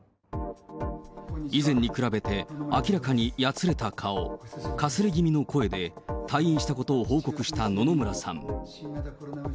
以前に比べて、明らかにやつれた顔、かすれ気味の声で、退院したことを報告した野々村さん。